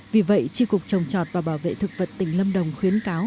vì vậy tri cục trồng chọt và bảo vệ thực vật tỉnh lâm đồng khuyến cáo